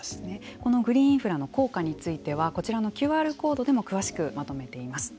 このグリーンインフラの効果についてはこちらのＱＲコードでも詳しくまとめています。